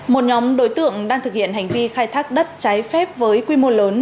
một nhóm đối tượng đang thực hiện hành vi khai thác đất trái phép với quy mô lớn